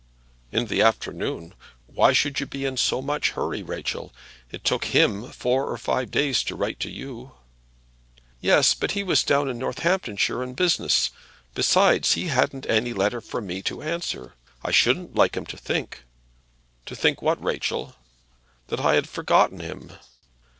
"In the afternoon! Why should you be in so much hurry, Rachel? It took him four or five days to write to you." "Yes; but he was down in Northamptonshire on business. Besides he hadn't any letter from me to answer. I shouldn't like him to think " "To think what, Rachel?" "That I had forgotten him."